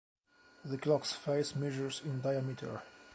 The clock's face measures in diameter.